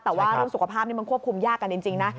แต่ว่าเรื่องสุขภาพนี่มันควบคุมยากกันจริงนะ